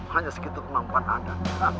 hanya segitu kemampuan anda